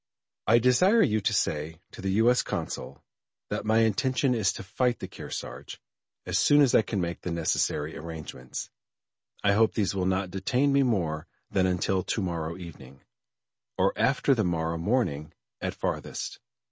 I desire you to say to the U. S. Consul that my intention is to fight the Kearsarge, as soon as I can make the necessary arrangements. I hope these will not detain me more than until to morrow evening, or after the morrow morning at farthest.